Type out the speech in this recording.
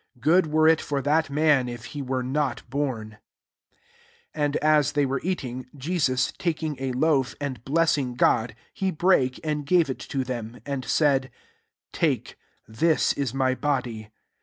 go«d were it fer that man if he were «ot bom.*'* 22 And as they were eating, Jeaus»(bakHig a Ioaf>and blessing ^o^ lie Irake, and gare it to tliem» and said,^ Take ; tbts is WBfhodj.